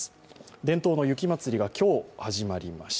伝統の雪まつりが今日、始まりました。